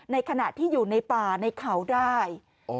ในขณะที่อยู่ในป่าในเขาได้